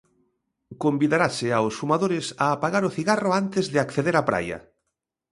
Convidarase aos fumadores a apagar o cigarro antes de acceder á praia.